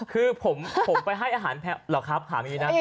คือผมไปให้อาหารเหรอครับถามอย่างนี้นะ